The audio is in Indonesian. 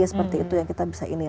seperti itu yang kita bisa ini